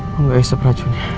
lo gak isep racunnya